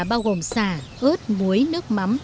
bao gồm xà ớt muối nước mắm